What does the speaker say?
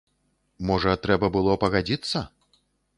Можа, трэба было пагадзіцца?